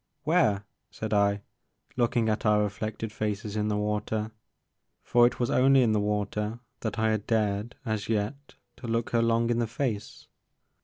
" Where,'* said I, looking at our reflected faces in the water. For it was only in the water that I had dared, as yet, to look her long in the face.